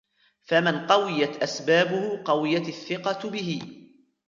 فَمَنْ قَوِيَتْ أَسْبَابُهُ قَوِيَتْ الثِّقَةُ بِهِ